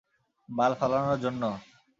বাল ফালানোর জন্য?